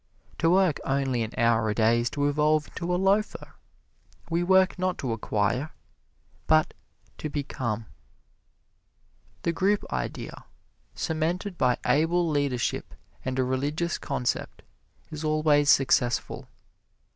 To work only an hour a day is to evolve into a loafer. We work not to acquire, but to become. The group idea, cemented by able leadership and a religious concept, is always successful.